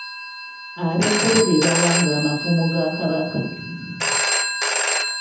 Abekkobe be bawanga amafumu ga Kabaka .